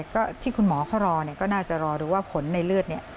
ก็ที่คุณหมอเขารอเนี่ยก็น่าจะรอดูว่าผลในเลือดเนี่ย